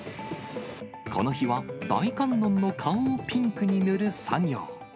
この日は大観音の顔をピンクに塗る作業。